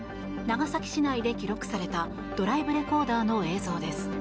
長崎市内で記録されたドライブレコーダーの映像です。